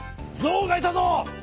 ぞうがいたぞ！